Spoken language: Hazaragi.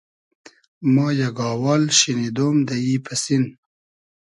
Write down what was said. ما یئگ آوال شینیدۉم دۂ ای پئسین